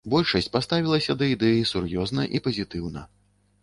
Большасць паставілася да ідэі сур'ёзна і пазітыўна.